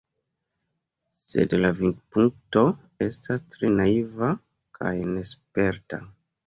Sed la vidpunkto estas tre naiva kaj nesperta.